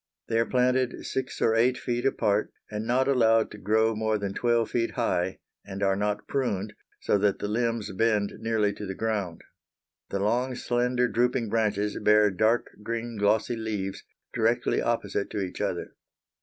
They are planted six or eight feet apart, and not allowed to grow more than twelve feet high; and are not pruned, so that the limbs bend nearly to the ground. The long slender drooping branches bear dark green, glossy leaves, directly opposite to each other.